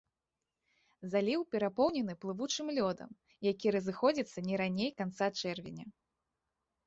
Заліў перапоўнены плывучым лёдам, які разыходзіцца не раней канца чэрвеня.